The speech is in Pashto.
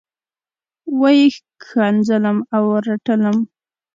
وه یې ښکنځلم او رټلم.